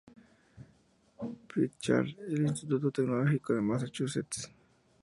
Pritchard en el Instituto Tecnológico de Massachusetts.